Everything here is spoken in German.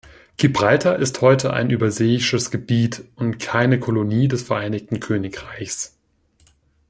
Gibraltar ist heute ein Überseeisches Gebiet und keine Kolonie des Vereinigten Königreichs.